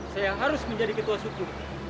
saya harus menjadi ketua suku